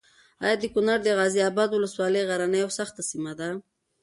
ایا د کونړ د غازي اباد ولسوالي غرنۍ او سخته سیمه ده؟